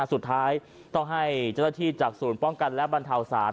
สุดท้ายต้องให้เจ้าหน้าที่จากศูนย์ป้องกันและบรรเทาศาส